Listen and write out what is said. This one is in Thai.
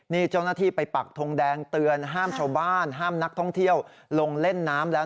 นี่เจ้าหน้าที่ไปปักทงแดงเตือนห้ามชาวบ้านห้ามนักท่องเที่ยวลงเล่นน้ำแล้ว